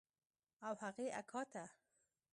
او هغې اکا ته.